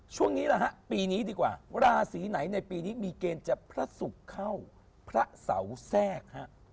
ช่วงนี้แหละฮะปีนี้ดีกว่าราศีไหนในปีนี้มีเกณฑ์จะพระศุกร์เข้าพระเสาแทรกฮะ